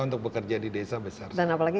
untuk bekerja di desa besar dan apalagi